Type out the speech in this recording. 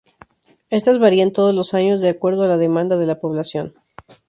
Estas varían todos los años de acuerdo a la demanda de la población.